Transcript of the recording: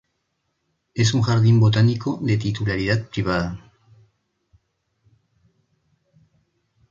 Es un jardín botánico de titularidad privada.